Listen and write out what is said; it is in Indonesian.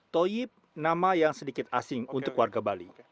toyib nama yang sedikit asing untuk warga bali